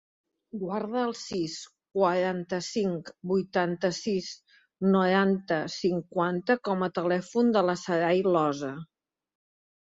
Guarda el sis, quaranta-cinc, vuitanta-sis, noranta, cinquanta com a telèfon de la Saray Losa.